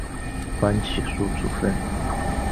缓起诉处分。